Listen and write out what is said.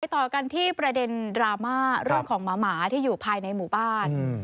ต่อกันที่ประเด็นดราม่าเรื่องของหมาที่อยู่ภายในหมู่บ้าน